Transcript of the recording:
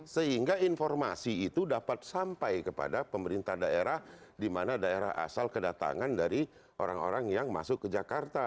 sehingga informasi itu dapat sampai kepada pemerintah daerah di mana daerah asal kedatangan dari orang orang yang masuk ke jakarta